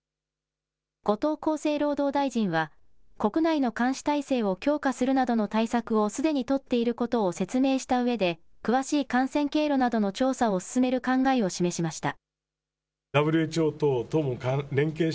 後藤厚生労働大臣は国内の監視体制を強化するなどの対策をすでに取っていることを説明したうえで詳しい感染経路などの調査を進める考えを示しました。